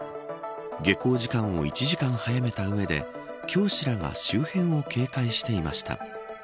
下校時間を１時間早めた上で教師らが周辺を警戒していました